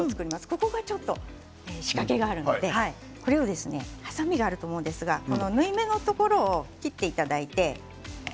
ここがちょっと仕掛けがあるのではさみがあると思うんですが縫い目のところを切っていただいて。